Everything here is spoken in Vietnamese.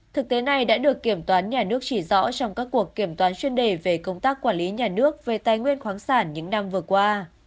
thực tế này đã được kiểm toán nhà nước chỉ rõ trong các cuộc kiểm toán chuyên đề về công tác quản lý nhà nước về tài nguyên khoáng sản những năm vừa qua